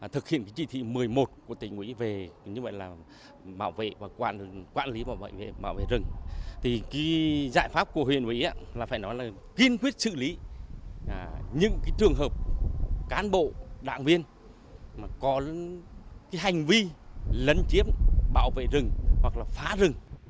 thực hiện cái chỉ thị một mươi một của tỉnh ubnd